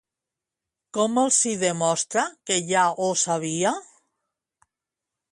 Com els hi demostra que ja ho sabia?